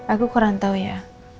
aku kurang tahu ya